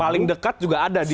paling dekat juga ada di